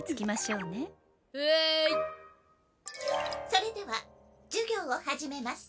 それでは授業を始めます。